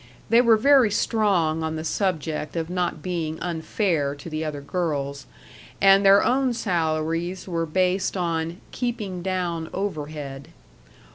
They were very strong on the subject of not being unfair to the other girls, and their own salaries were based on "keeping down overhead."